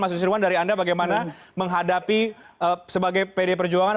mas nusirwan dari anda bagaimana menghadapi sebagai pd perjuangan